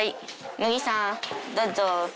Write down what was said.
むぎさん、どうぞ。